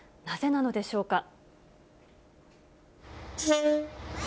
なぜなのでしょうか。